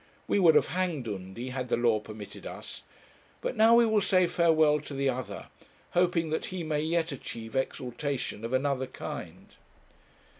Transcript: We would have hanged Undy had the law permitted us; but now we will say farewell to the other, hoping that he may yet achieve exaltation of another kind.